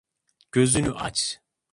Gözünü aç.